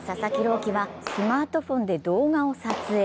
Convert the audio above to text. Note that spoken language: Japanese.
希はスマートフォンで動画を撮影。